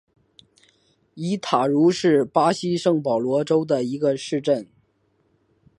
伊塔茹是巴西圣保罗州的一个市镇。